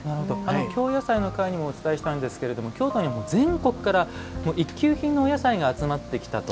京野菜の回でもお伝えしたんですが京都にも全国から一級品のお野菜が集まってきたと。